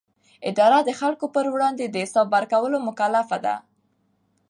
اداره د خلکو پر وړاندې د حساب ورکولو مکلفه ده.